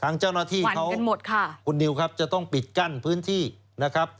ทางเจ้าหน้าที่เขาคุณนิวครับจะต้องปิดกั้นพื้นที่นะครับ